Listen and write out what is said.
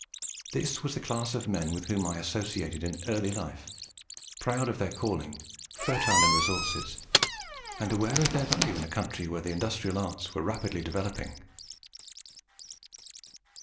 This was the class of men with whom I associated in early life proud of their calling, fertile in resources, and aware of their value in a country where the industrial arts were rapidly developing."